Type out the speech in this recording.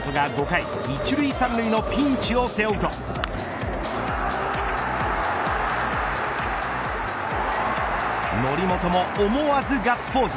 先発の則本が１塁３塁のピンチを背負うと則本も思わずガッツポーズ。